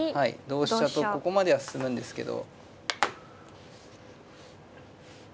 同飛車とここまでは進むんですけど。